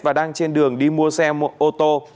và đang trên đường đi mua xe ô tô